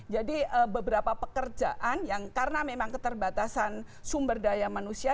jadi beberapa pekerjaan yang karena memang keterbatasan sumber daya manusia